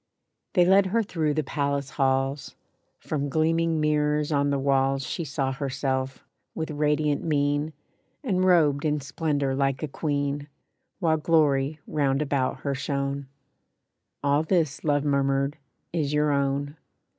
They led her through the Palace halls; From gleaming mirrors on the walls She saw herself, with radiant mien, And robed in splendor like a queen, While glory round about her shone. "All this," Love murmured, "is your own."